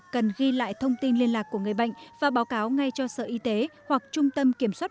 cần ghi lại thông tin liên lạc của người bệnh và báo cáo ngay cho sở y tế hoặc trung tâm kiểm soát